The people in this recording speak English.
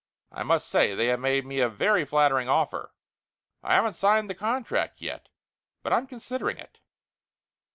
I must say they have made me a very flattering offer. I haven't signed the contract yet, but I'm considering it."